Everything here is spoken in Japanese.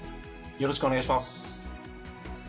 よろしくお願いします。